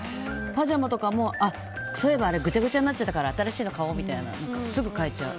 パジャマとかも、そういえばぐちゃぐちゃになっちゃったから新しいの買おうみたいなすぐ替えちゃう。